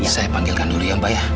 saya panggilkan dulu ya mbak ya